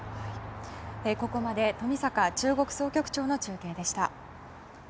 ここまで冨坂中国総局長の中継でした。